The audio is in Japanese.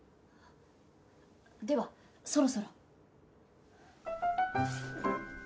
ではそろそろ。